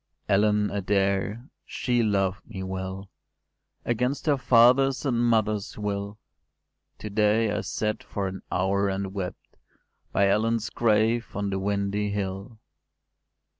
“Ellen Adair she loved me well, Against her father’s and mother’s will: To day I sat for an hour and wept, By Ellen’s grave, on the windy hill.